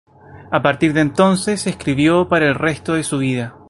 A partir de entonces, escribió para el resto de su vida.